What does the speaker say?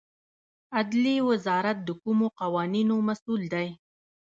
عدلیې وزارت د کومو قوانینو مسوول دی؟